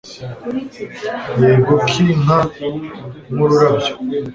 Yego ку nk nkururabyo